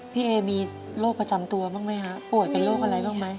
พี่เอมีโรคประจำตัวบ้างไหมฮะป่วยเป็นโรคอะไรบ้างไหม